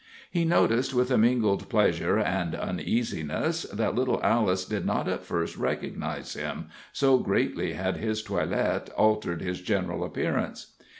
He noticed, with a mingled pleasure and uneasiness, that little Alice did not at first recognize him, so greatly had his toilet altered his general appearance.